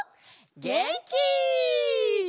げんき！